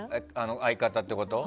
相方ってこと？